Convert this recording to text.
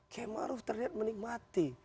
kemaruf terlihat menikmati